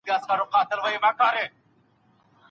ذهن د انسان تر ټولو پیاوړی غړی دی.